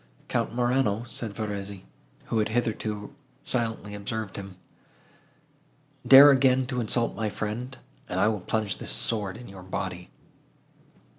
"Count Morano," said Verezzi, who had hitherto silently observed him, "dare again to insult my friend, and I will plunge this sword in your body."